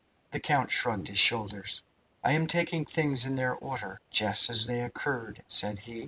The count shrugged his shoulders. "I am taking things in their order, just as they occurred," said he.